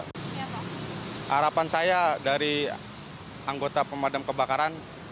harapan saya dari anggota pemadam kebakaran